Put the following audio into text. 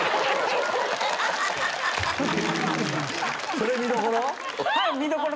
それ見どころ？